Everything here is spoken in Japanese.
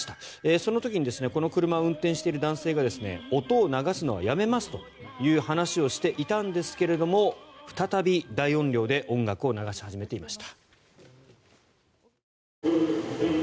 その時にこの車を運転している男性が音を流すのはやめますという話をしていたんですけれど再び大音量で音楽を流し始めていました。